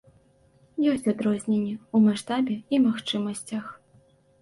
Ёсць адрозненні ў маштабе і магчымасцях.